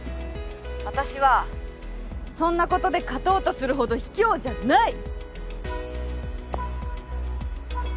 私はそんなことで勝とうとするほどひきょうじゃない！